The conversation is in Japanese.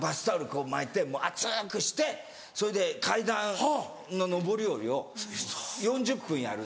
こう巻いてあつくしてそれで階段の上り下りを４０分やる。